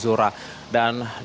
dan dari rekonstruksi penganiayaan